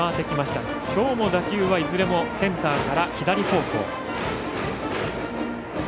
きょうも打球はいずれもセンターから左方向。